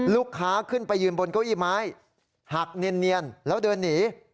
ขึ้นไปยืนบนเก้าอี้ไม้หักเนียนแล้วเดินหนี